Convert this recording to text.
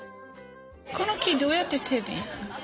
この木どうやって手に？